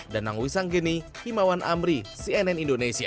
danang wisanggeni himawan amri cnn indonesia